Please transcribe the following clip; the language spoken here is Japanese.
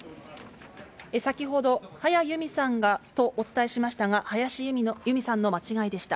先ほど、はやゆみさんがとお伝えしましたが、林佑美さんの間違いでした。